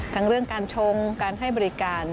ทั้งเรื่องการชงการให้บริการ